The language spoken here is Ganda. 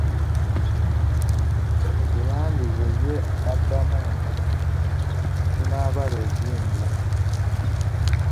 Kirandize ye n'addamu nti kinaabala engunda.